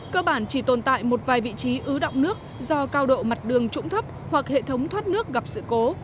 cơ bản chỉ tồn tại một vài vị trí ứ động nước do cao độ mặt đường trũng thấp hoặc hệ thống thoát nước gặp sự cố